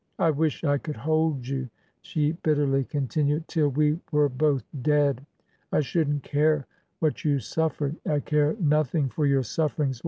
'I wish I could hold you,' she bitterly con tinued, ' till we were both dead. I shouldn't care what you sufifered. I care nothing for your sufiferings.